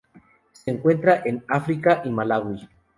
Se encuentran en África: Malaui.